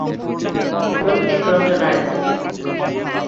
প্রত্যেক রচনার